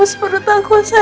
terus berutangku sayang